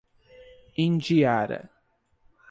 Indiara